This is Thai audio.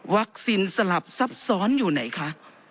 วัคซินสลับซับซ้อนอยู่ไหนค่ะ